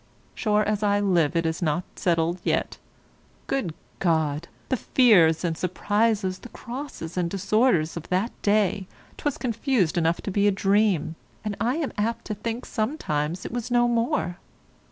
Sure as I live it is not settled yet! Good God! the fears and surprises, the crosses and disorders of that day, 'twas confused enough to be a dream, and I am apt to think sometimes it was no more.